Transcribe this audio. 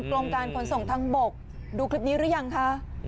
กรมการขนส่งทางบกดูคลิปนี้หรือยังคะ